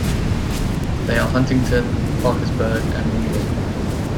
They are Huntington, Parkersburg, and Wheeling.